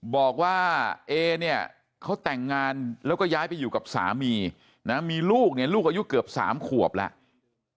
บอกว่าเอเนี่ยเขาแต่งงานแล้วก็ย้ายไปอยู่กับสามีนะมีลูกเนี่ยลูกอายุเกือบ๓ขวบแล้ว